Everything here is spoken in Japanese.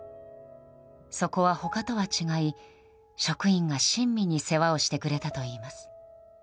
そこは、他とは違い職員が親身に世話をしてくれたといいます。